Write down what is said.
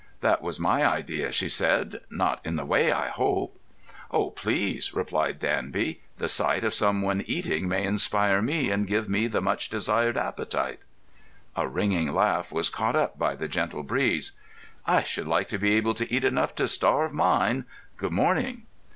"That was my idea," she said. "Not in the way, I hope?" "Oh, please," replied Danby. "The sight of some one eating may inspire me and give me the much desired appetite." A ringing laugh was caught up by the gentle breeze. "I should like to be able to eat enough to starve mine. Good morning!"